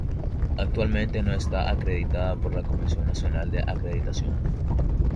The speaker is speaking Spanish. Actualmente no está acreditada por la Comisión Nacional de Acreditación.